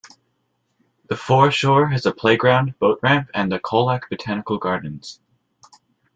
The foreshore has a playground, boat ramp and the Colac Botanical Gardens.